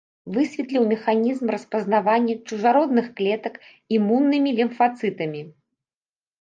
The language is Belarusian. Высветліў механізм распазнавання чужародных клетак імуннымі лімфацытамі.